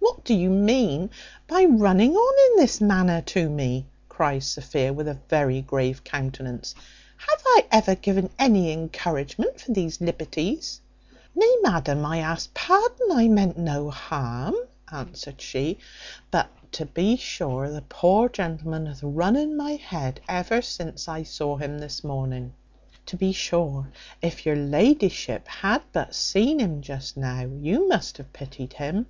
"What do you mean by running on in this manner to me?" cries Sophia, with a very grave countenance. "Have I ever given any encouragement for these liberties?" "Nay, ma'am, I ask pardon; I meant no harm," answered she; "but to be sure the poor gentleman hath run in my head ever since I saw him this morning. To be sure, if your la'ship had but seen him just now, you must have pitied him.